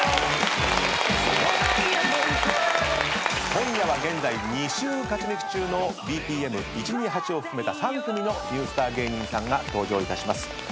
今夜は現在２週勝ち抜き中のＢＰＭ１２８を含めた３組のニュースター芸人さんが登場いたします。